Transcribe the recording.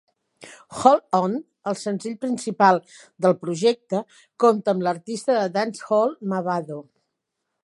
"Hold On", el senzill principal del projecte, compta amb l'artista de dancehall Mavado.